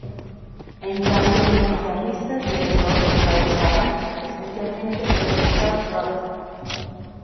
En cambio, los guitarristas de rock la usaban, especialmente los de surf rock.